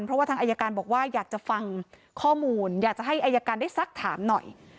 เพราะว่าทางอายการบอกว่าอยากจะฟังข้อมูลอยากจะให้อายการได้สักถามหน่อย